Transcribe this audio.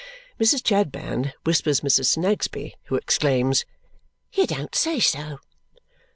Mrs. Chadband whispers Mrs. Snagsby, who exclaims, "You don't say so!"